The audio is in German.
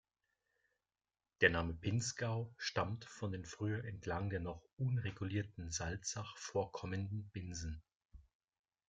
Der Name Pinzgau stammt von den früher entlang der noch unregulierten Salzach vorkommenden Binsen.